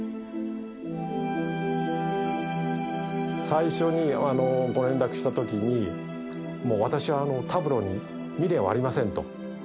最初にご連絡した時にもう私はタブローに未練はありませんと。